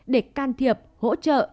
để can thiệp hỗ trợ